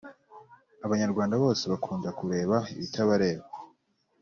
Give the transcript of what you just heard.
Abanyarwanda bose bakunda kureba ibitabareba